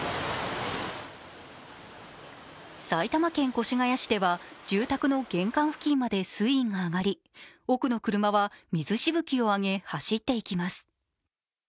埼玉県越谷市では住宅の玄関付近まで水位が上がり奥の車は水しぶきを上げ、走っていきます。